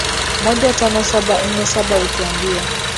moja tano saba nne saba utuambie